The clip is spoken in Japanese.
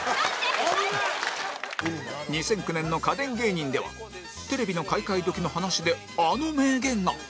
２００９年の家電芸人ではテレビの買い替え時の話であの名言が